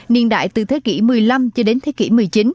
niên đại từ thế kỷ một mươi năm cho đến thế kỷ một mươi chín